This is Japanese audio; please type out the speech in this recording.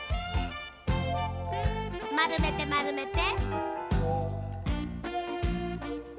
まるめてまるめて。